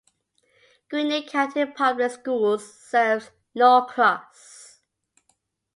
Gwinnett County Public Schools serves Norcross.